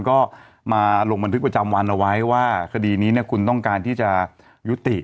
ก็มาลงบันทึกประจำวันเอาไว้ว่าคดีนี้คุณต้องการที่จะยุติ